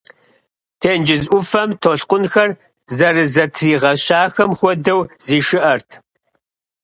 Тенджыз ӏуфэм толъкъунхэр зэрызэтригъэщахэм хуэдэу зишыӏэрт.